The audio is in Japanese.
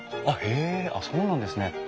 あっへえそうなんですね。